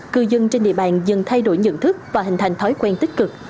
cư dân trên địa bàn dần thay đổi nhận thức và hình thành thói quen tích cực